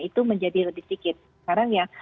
itu menjadi lebih sedikit sekarang ya